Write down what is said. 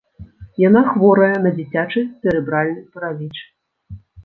Яна хворая на дзіцячы цэрэбральны параліч.